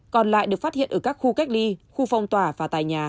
còn lại được phát hiện ở các khu cách ly khu phong tỏa và tài nhà